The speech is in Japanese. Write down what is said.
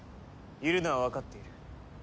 いるのはわかっている。